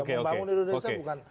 pembangun indonesia bukan hanya menteri